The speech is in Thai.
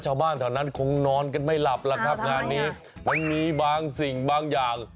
ชาวบ้านแถวนั้นคงนอนกันไม่หลับแล้วครับงานนี้มันมีบางสิ่งบางอย่าง